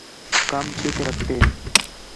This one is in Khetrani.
کم چِھک رکھتین